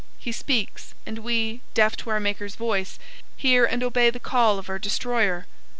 He speaks, and we, deaf to our Maker's voice, Hear and obey the call of our destroyer!